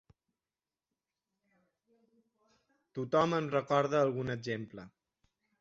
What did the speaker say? Tothom en recorda algun exemple.